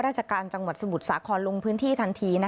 ราชการจังหวัดสมุทรสาครลงพื้นที่ทันที